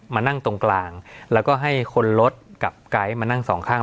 มานั่งตรงกลางแล้วก็ให้คนรถกับไกด์มานั่งสองข้าง